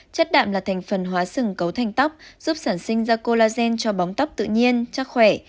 chất đạm là thành phần hóa sừng cấu thành tóc giúp sản sinh ra colagen cho bóng tóc tự nhiên chắc khỏe